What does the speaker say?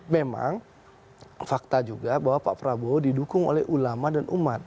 memang fakta juga bahwa pak prabowo didukung oleh ulama dan umat